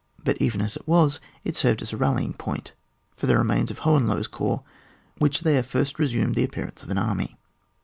But even as it was it served as a rallying point for the remains of Hohen lohe's corps, which there first resumed the appearance of an army.